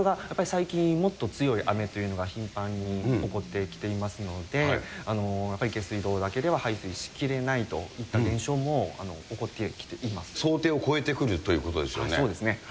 最近もっと強い雨が頻繁に起こってきていますので、やっぱり下水道だけでは排水しきれないといった現象も起こってき想定を超えてくるということそうですね。